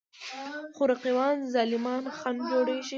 خو رقیبان ظالمان خنډ جوړېږي.